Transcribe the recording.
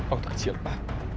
oh tak cil ma